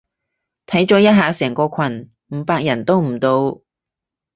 睇咗一下成個群，五百人都唔到